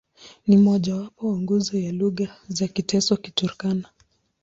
Ni mmojawapo wa nguzo ya lugha za Kiteso-Kiturkana.